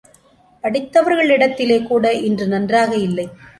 படித்தவர்களிடத்திலே கூட இன்று நன்றாக இல்லை.